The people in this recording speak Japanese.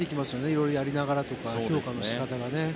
色々やりながらとか評価の仕方がね。